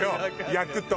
焼くと。